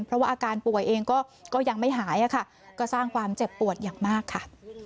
เพราะว่าอาการป่วยเองก็ยังไม่หายค่ะก็สร้างความเจ็บปวดอย่างมากค่ะ